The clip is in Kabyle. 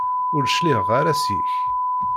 Ur d-cliɛeɣ ara seg-k.